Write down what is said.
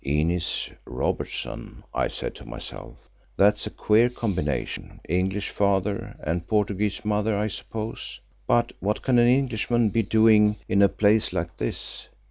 "Inez Robertson," I said to myself, "that's a queer combination. English father and Portuguese mother, I suppose. But what can an Englishman be doing in a place like this?